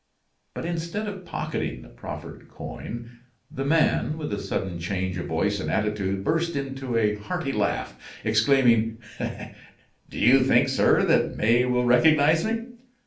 But instead of pocketing the proffered coin, the man, with a sudden change of voice and attitude, burst into a hearty laugh, exclaiming: "Do you think, sir, that May will recognize me?"